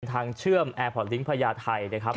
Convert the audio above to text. เชื่อมแอร์พอร์ตลิงค์พญาไทยนะครับ